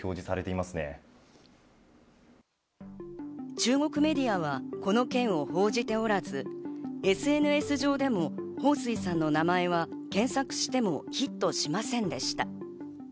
中国メディアはこの件を報じておらず、ＳＮＳ上でもホウ・スイさんの名前は検索してもヒットしませんでした。